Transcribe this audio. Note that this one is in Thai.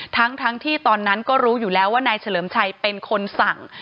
ทั้งที่ตอนนั้นก็รู้อยู่แล้วว่านายเฉลิมชัยเป็นคนสั่ง